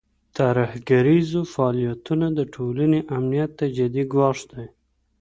ترهګریز فعالیتونه د ټولنې امنیت ته جدي ګواښ دی.